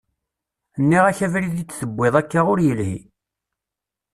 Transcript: Nniɣ-ak abrid i d-tuwiḍ akka ur yelhi.